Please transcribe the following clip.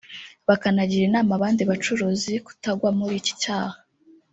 bakanagira inama abandi bacuruzi kutagwa muri iki cyaha